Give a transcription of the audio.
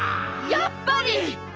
やっぱり！